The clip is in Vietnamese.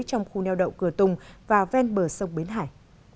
trong khu neo đậu cửa tùng và ven bờ sông bến hải